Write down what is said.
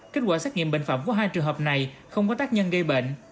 kết quả xét nghiệm bệnh phẩm của hai trường hợp này không có tác nhân gây bệnh